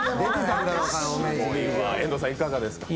遠藤さん、いかがですか？